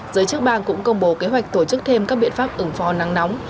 giới chức bang cũng công bố kế hoạch tổ chức thêm các biện pháp ứng pho nắng nóng